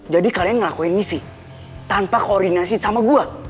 jadi kalian ngelakuin misi tanpa koordinasi sama gue